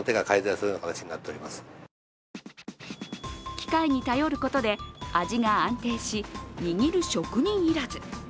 機械に頼ることで、味が安定し、握る職人要らず。